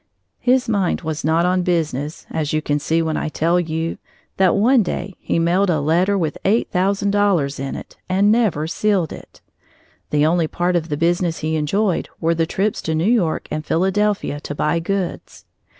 His mind was not on his business, as you can see when I tell you that one day he mailed a letter with eight thousand dollars in it and never sealed it! The only part of the business he enjoyed were the trips to New York and Philadelphia to buy goods.